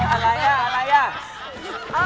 อะไรอะ